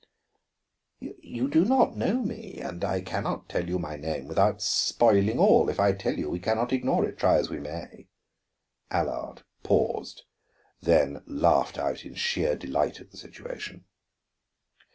"You do not know me, and I can not tell you my name without spoiling all. If I tell you, we can not ignore it, try as we may." Allard paused, then laughed out in sheer delight at the situation.